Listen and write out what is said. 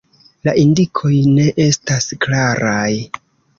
La indikoj ne estas klaraj.